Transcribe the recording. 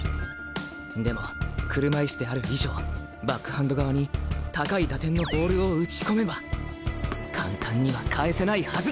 でも車いすである以上バックハンド側に高い打点のボールを打ち込めば簡単には返せないはず。